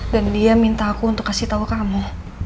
dan dia minta aku untuk kasih tau kamu